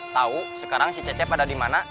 tahu sekarang si cecep ada dimana